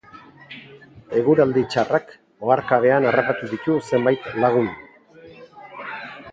Eguraldi txarrak oharkabean harrapatu ditu zenbait lagun.